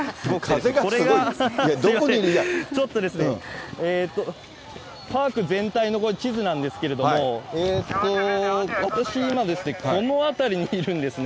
ちょっとですね、パーク全体のこれ、地図なんですけども、私、今、この辺りにいるんですね。